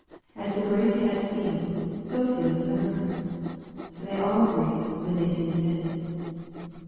As the great Head feels, so feel the members. They all grieve when they see sin.